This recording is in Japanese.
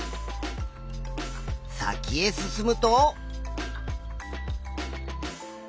先へ進むと。